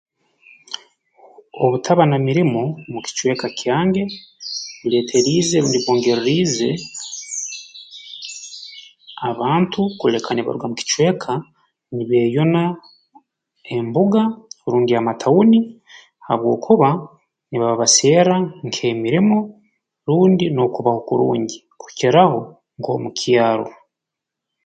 Obutaba na mirimo mu kicweka kyange bureetereriize rundi bwongereriize abantu kuleka nibaruga mu kicweka nibeeyuna embuga rundi amatauni habwokuba nibaba baserra nk'emirimo rundi n'okubaho kurungi kukiraho nk'omu kyaro